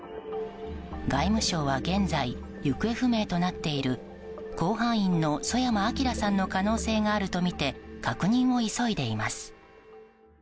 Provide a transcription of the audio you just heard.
外務省は現在、行方不明となっている甲板員の曽山聖さんの可能性があるとみて確認を急いでいます。